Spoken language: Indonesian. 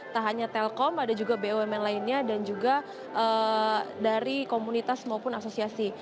tak hanya telkom ada juga bumn lainnya dan juga dari komunitas maupun asosiasi